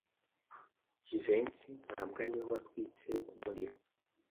Jivency ntabwo ari we watwitse umuriro.